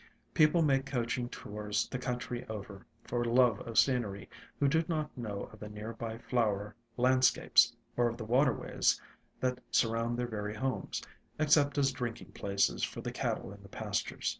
People make coaching tours the country over for love of scenery who do not know of the near by flower landscapes, or of the waterways that sur round their very homes, except as drinking places for the cattle in the pastures.